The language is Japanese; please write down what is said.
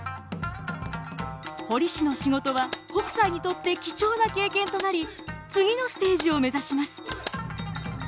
彫師の仕事は北斎にとって貴重な経験となり次のステージを目指します。